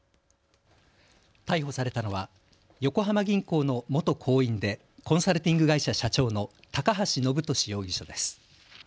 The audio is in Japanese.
逮捕されたのは横浜銀行の元行員でコンサルティング会社社長の高橋延年容疑者です。